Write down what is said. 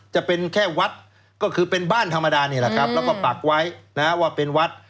จะเป็นแค่วัดก็คือเป็นบ้านธรรมดานี่แหละครับแล้วก็ปักไว้นะว่าเป็นวัด